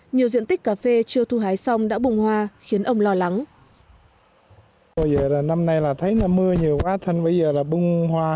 nhiều diện tích cà phê chưa thu hái xong đã bùng hoa khiến ông lo lắng